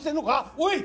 おい！